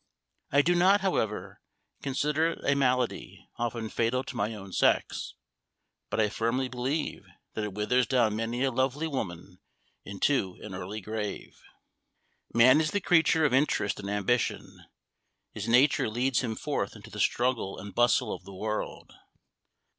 I do not, however, consider it a malady often fatal to my own sex; but I firmly believe that it withers down many a lovely woman into an early grave. Man is the creature of interest and ambition. His nature leads him forth into the struggle and bustle of the world.